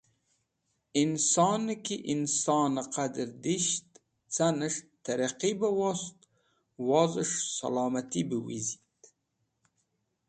Insonẽ ki insonẽ qadẽr disht canẽs̃h tẽrẽqi bẽ wost wozẽs̃h sẽlomati bẽ wizit